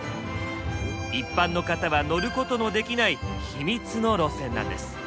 一般の方は乗ることのできない秘密の路線なんです。